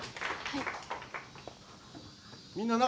はい。